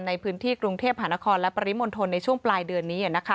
ในพื้นที่กรุงเทพหานครและปริมณฑลในช่วงปลายเดือนนี้